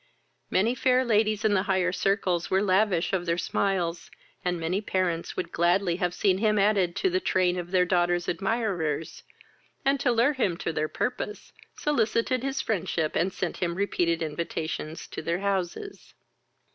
Many fair ladies in the higher circles were lavish of their smiles, and many parents would gladly have seen him added to the train of their daughters' admirers, and, to lure him to their purpose, solicited his friendship, and sent him repeated invitations to their houses.